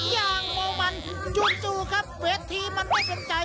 ย่างโมมันจู๊บครับเวทีมันไม่เป็นใจ